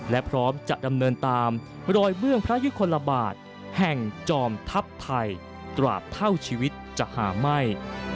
และพร้อมจะดำเนินตามรอยเบื้องพระยุคลบาทแห่งจอมทัพไทยตราบเท่าชีวิตจะหาไหม้